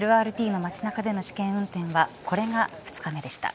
ＬＲＴの街中での試験運転はこれが２日目でした。